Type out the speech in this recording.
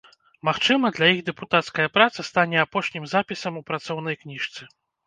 Магчыма, для іх дэпутацкая праца стане апошнім запісам у працоўнай кніжцы.